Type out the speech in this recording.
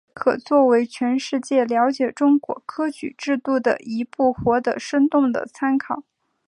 可作为全世界了解中国科举制度的一部活的生动的参考。